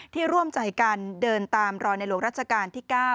ร่วมใจกันเดินตามรอยในหลวงรัชกาลที่๙